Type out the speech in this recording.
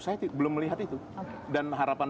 saya belum melihat itu dan harapan